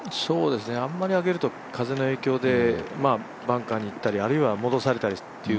あんまり上げると風の影響でバンカーにいったりあるいは戻されたりという